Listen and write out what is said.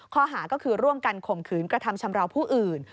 ข้อหาก็คือร่วมกันข่มขืนกระทำชำราวผู้อื่น